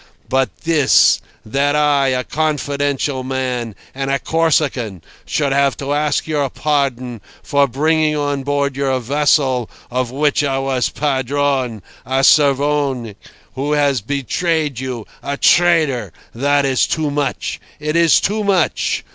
But this: that I, a confidential man and a Corsican, should have to ask your pardon for bringing on board your vessel, of which I was Padrone, a Cervoni, who has betrayed you—a traitor!—that is too much. It is too much.